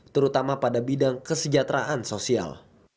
terutama pada bidang kesejahteraan sosial